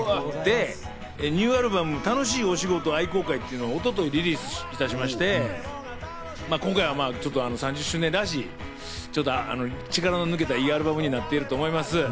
ニューアルバム『楽しいお仕事愛好会』が一昨日、リリースいたしまして、今回は３０周年らしい、ちょっと力の抜けた、いいアルバムになっていると思います。